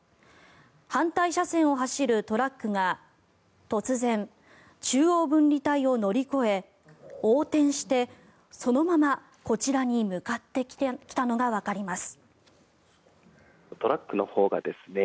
反対車線を走るトラックが突然、中央分離帯を乗り越え横転してそのままこちらに向かってきたのがわかります。